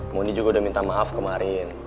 moni juga udah minta maaf kemarin